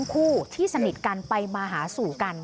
คู่ที่สนิทกันไปมาหาสู่กัน